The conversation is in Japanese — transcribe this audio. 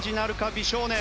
美少年。